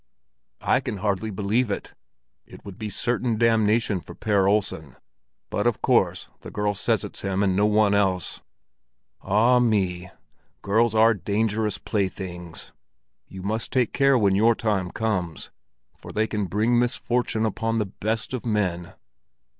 "I can hardly believe it; it would be certain damnation for Per Olsen. But, of course, the girl says it's him and no one else. Ah me! Girls are dangerous playthings! You must take care when your time comes, for they can bring misfortune upon the best of men."